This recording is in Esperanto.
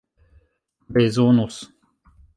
bezonus